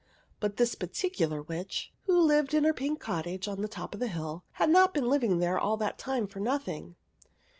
But this particular Witch, who lived in her pink cottage on the top of the hill, had not been living there all that time for nothing.